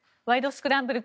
スクランブル」